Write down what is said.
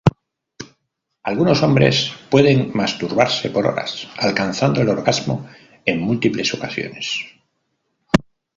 Algunos hombres pueden masturbarse por horas, alcanzando el orgasmo en múltiples ocasiones.